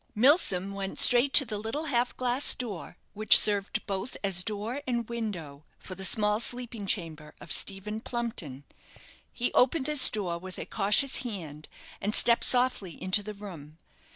Milsom went straight to the little half glass door which served both as door and window for the small sleeping chamber of Stephen Plumpton. He opened this door with a cautious hand, and stepped softly into the room.